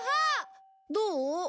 どう？